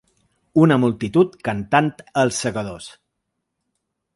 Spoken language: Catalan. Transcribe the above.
Una multitud cantant ‘Els segadors’